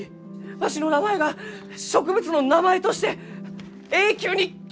わしの名前が植物の名前として永久に刻まれるがじゃ！